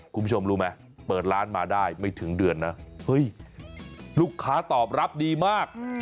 คุณผู้ชมรู้ไหมเปิดร้านมาได้ไม่ถึงเดือนนะเฮ้ยลูกค้าตอบรับดีมาก